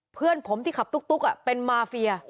เพื่อนผมที่ขับตุ๊กเป็นมาเฟีย